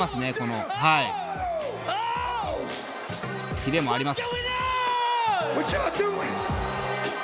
キレもあります。